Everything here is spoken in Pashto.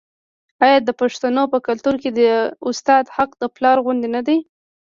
آیا د پښتنو په کلتور کې د استاد حق د پلار غوندې نه دی؟